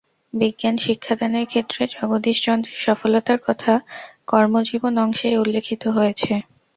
বিজ্ঞান শিক্ষাদানের ক্ষেত্রে জগদীশ চন্দ্রের সফলতার কথা কর্মজীবন অংশেই উল্লিখিত হয়েছে।